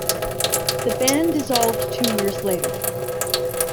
The band dissolved two years later.